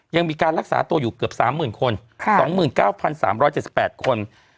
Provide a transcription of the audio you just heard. ยังมีการรักษาตัวอยู่เกือบ๓๐๐๐คน๒๙๓๗๘คน